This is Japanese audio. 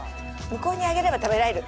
向こうにあげれば食べられる。